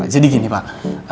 jadi gini pak